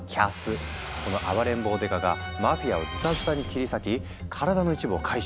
この暴れん坊刑事がマフィアをズタズタに切り裂き体の一部を回収。